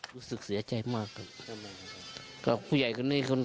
รู้สึกเสียใจมากครับทำไมครับก็ผู้ใหญ่กันนี้